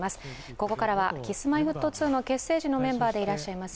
ここからはＫｉｓ−Ｍｙ−Ｆｔ２の結成時のメンバーでいらっしゃいます